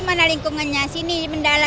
sekarang harganya berapa